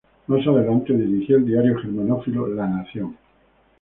Más adelante dirigiría el diario germanófilo "La Nación".